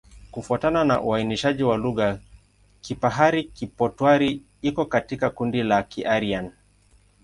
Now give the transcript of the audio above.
Kufuatana na uainishaji wa lugha, Kipahari-Kipotwari iko katika kundi la Kiaryan.